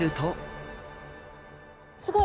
すごい。